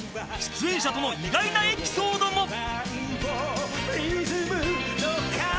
［出演者との意外なエピソードも］